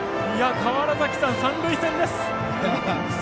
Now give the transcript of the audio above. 川原崎さん、三塁線です！